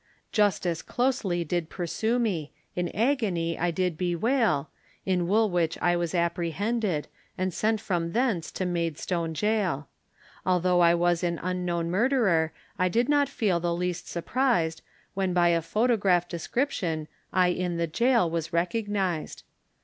Justice closely did pursue me, In agony I did bewail, In Woolwich I was apprehended. And sent from thence to Maidstone Gaol; Although I was an unknown murderer, I did not feel the least surprised, When by a photograph description, I in the gaol was recognised.